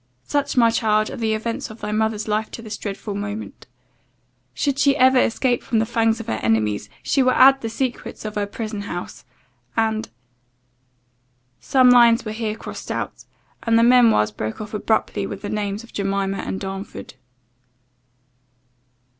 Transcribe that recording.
"Such, my child, are the events of thy mother's life to this dreadful moment Should she ever escape from the fangs of her enemies, she will add the secrets of her prison house and " Some lines were here crossed out, and the memoirs broke off abruptly with the names of Jemima and Darnford.